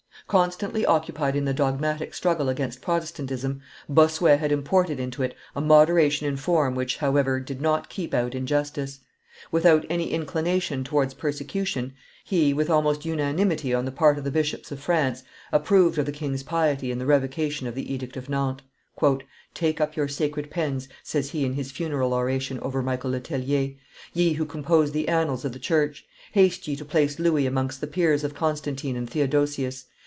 Constantly occupied in the dogmatic struggle against Protestantism, Bossuet had imported into it a moderation in form which, however, did not keep out injustice. Without any inclination towards persecution, he, with almost unanimity on the part of the bishops of France, approved of the king's piety in the revocation of the Edict of Nantes. "Take up your sacred pens," says he in his funeral oration over Michael Le Tellier, "ye who compose the annals of the church; haste ye to place Louis amongst the peers of Constantine and Theodosius.